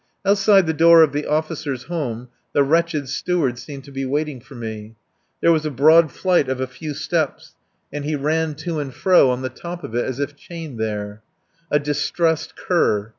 Outside the door of the Officers' Home the wretched Steward seemed to be waiting for me. There was a broad flight of a few steps, and he ran to and fro on the top of it as if chained there. A distressed cur.